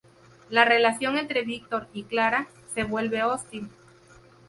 La relación entre Víctor y Clara se vuelve hostil.